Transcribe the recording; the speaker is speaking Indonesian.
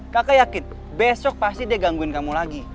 kakak yakin besok pasti dia gangguin kamu lagi